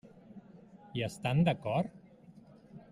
Hi estan d'acord?